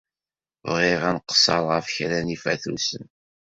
Bɣiɣ ad nqeṣṣer ɣef kra n yifatusen.